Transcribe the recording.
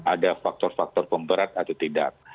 ada faktor faktor pemberat atau tidak